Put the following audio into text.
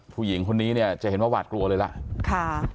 ผู้หญิงคนนี้เนี่ยจะเห็นว่าหวาดกลัวเลยล่ะ